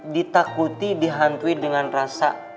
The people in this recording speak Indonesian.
ditakuti dihantui dengan rasa